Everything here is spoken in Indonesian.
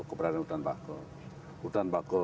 keberadaan hutan bakau hutan bakau